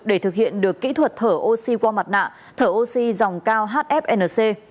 để thực hiện được kỹ thuật thở oxy qua mặt nạ thở oxy dòng cao hfnc